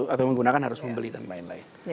atau menggunakan harus membeli dan lain lain